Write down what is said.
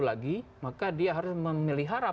lagi maka dia harus memelihara